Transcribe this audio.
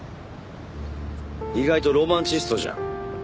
意外とロマンチストじゃん。